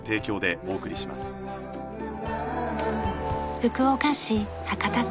福岡市博多区。